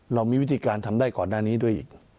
เรามีวิธีการทำได้ก่อนหน้านี้ด้วยอีก